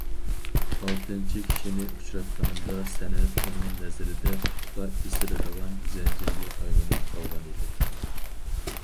ئالتىنچى كىشىنى ئۇچراتقىنىمدا سەنئەت ئۇنىڭ نەزىرىدە پۇتقا ئېسىلىدىغان زەنجىرگە ئايلىنىپ قالغان ئىدى.